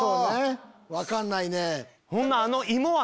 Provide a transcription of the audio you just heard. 分かんないね。